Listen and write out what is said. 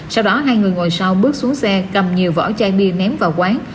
sau đó hai người ngồi sau bước xuống xe cầm nhiều vỏ chai bia ném vào quán